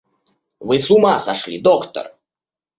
— Вы с ума сошли, доктор!